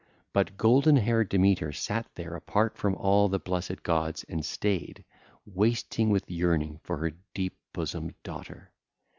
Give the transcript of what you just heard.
But golden haired Demeter sat there apart from all the blessed gods and stayed, wasting with yearning for her deep bosomed daughter.